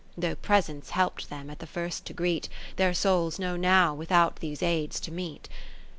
Though presence help'd them at the first to greet, Their souls know now without those aids to meet.